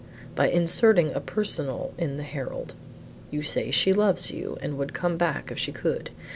"By inserting a personal in the Herald. You say she loves you; and would come back if she could.